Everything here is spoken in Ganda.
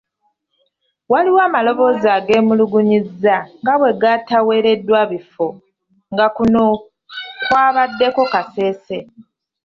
Waliwo amaloboozi ageemulugunyizza nga bwe gataaweereddwa bifo nga kuno kwabaddeko Kasese.